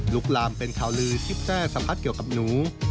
ลามเป็นข่าวลือที่แทร่สัมผัสเกี่ยวกับหนู